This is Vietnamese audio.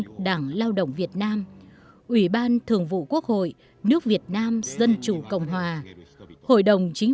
của đảng lao động việt nam ủy ban thường vụ quốc hội nước việt nam dân chủ cộng hòa hội đồng chính